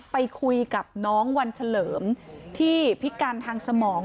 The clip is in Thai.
ไปคุยกับน้องวันเฉลิมที่พิการทางสมอง